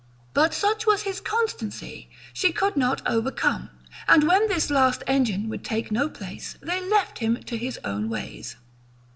But such was his constancy, she could not overcome, and when this last engine would take no place, they left him to his own ways.